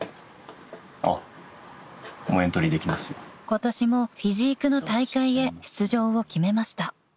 ［今年もフィジークの大会へ出場を決めました］